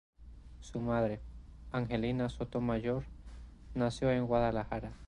Su madre, Angelina Sotomayor, nació en Guadalajara.